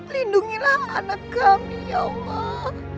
lindungilah anak kami ya allah